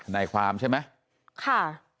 นายความใช่ไหมค่ะ